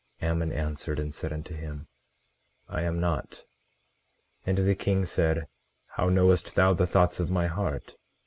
18:19 Ammon answered and said unto him: I am not. 18:20 And the king said: How knowest thou the thoughts of my heart?